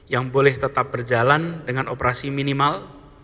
yang boleh tetap berjalan dengan operasi minimal